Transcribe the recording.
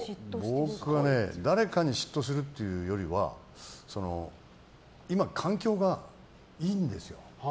僕は誰かに嫉妬するっていうよりは今、環境がいいんですよ。